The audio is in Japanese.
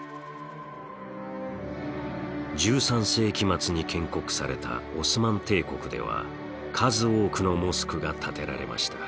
世紀末に建国されたオスマン帝国では数多くのモスクが建てられました。